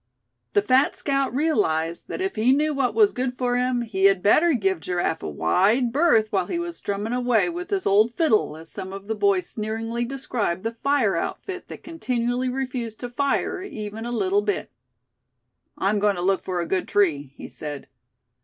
The fat scout realized that if he knew what was good for him he had better give Giraffe a wide berth while he was strumming away with his "old fiddle," as some of the boys sneeringly described the fire outfit that continually refused to "fire" even a little bit. "I'm going to look for a good tree," he said.